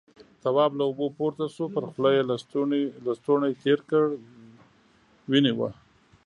تواب له اوبو پورته شو، پر خوله يې لستوڼی تېر کړ، وينې وه.